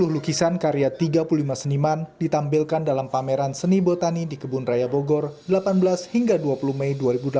sepuluh lukisan karya tiga puluh lima seniman ditampilkan dalam pameran seni botani di kebun raya bogor delapan belas hingga dua puluh mei dua ribu delapan belas